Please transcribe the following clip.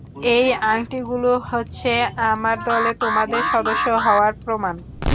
এই আংটিগুলো হচ্ছে আমার দলে তোমাদের সদস্য হওয়ার প্রমাণ।